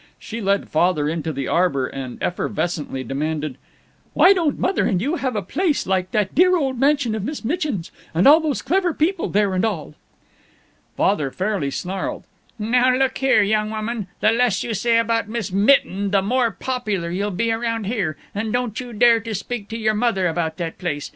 She led Father into the arbor and effervescently demanded, "Why don't Mother and you have a place like that dear old mansion of Miss Mitchin's, and all those clever people there and all?" Father fairly snarled, "Now look here, young woman, the less you say about Miss Mitten the more popular you'll be around here. And don't you dare to speak to your mother about that place.